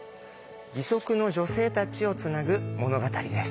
義足の女性たちをつなぐ物語です。